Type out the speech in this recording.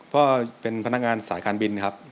ก็เป็นพนักงานสายการบินครับ